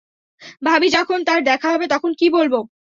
ভাবি যখন তার দেখা হবে, তখন কী বলবো?